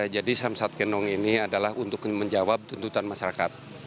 jadi samsat genong ini adalah untuk menjawab tuntutan masyarakat